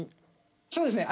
そうですね。